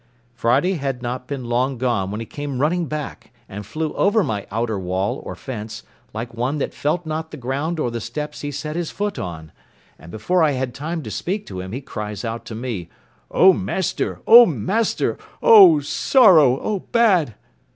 Friday had not been long gone when he came running back, and flew over my outer wall or fence, like one that felt not the ground or the steps he set his foot on; and before I had time to speak to him he cries out to me, "O master! O master! O sorrow! O bad!"